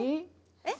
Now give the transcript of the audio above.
えっ？